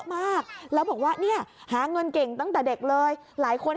มากแล้วบอกว่าเนี่ยหาเงินเก่งตั้งแต่เด็กเลยหลายคน